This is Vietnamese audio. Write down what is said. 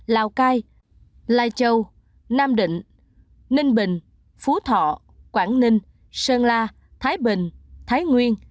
lào cai lai châu nam định ninh bình phú thọ quảng ninh sơn la thái bình thái nguyên